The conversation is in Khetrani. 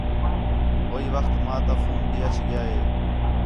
ہوئی وخت ماں تا فون بھی اَچ ڳِیا ہِے